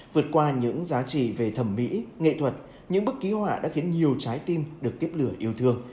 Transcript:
vượt qua những giá trị về thẩm mỹ nghệ thuật những bức ký họa đã khiến nhiều trái tim được tiếp lửa yêu thương